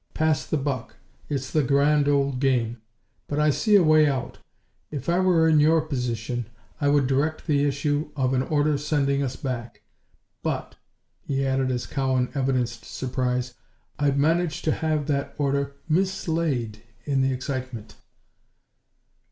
Pass the buck. It's the grand old game. But I see a way out. If I were in your position I would direct the issue of an order sending us back. But," he added as Cowan evidenced surprise, "I'd manage to have that order mislaid in the excitement."